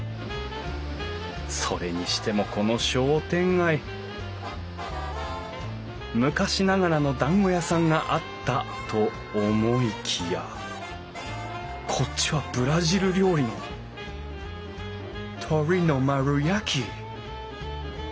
それにしてもこの商店街昔ながらのだんご屋さんがあったと思いきやこっちはブラジル料理の鶏の丸焼き！